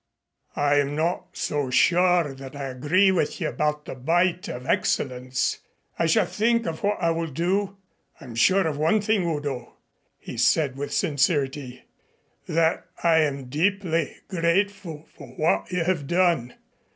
"I am not so sure that I agree with you about the bite of Excellenz. I shall think of what I will do. I'm sure of one thing, Udo," he said with sincerity, "that I am deeply grateful for what you have done.